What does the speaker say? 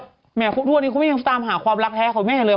แหมทุกวันนี้คุณแม่ยังตามหาความรักแท้ของแม่เลย